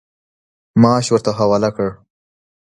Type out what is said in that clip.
معاش ورته حواله کړ.